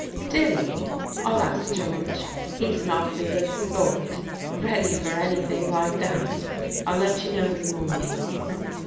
"Did he? Ill ask George. He's an awfully good sport — ready for anything like that. I'll let you know in the morning."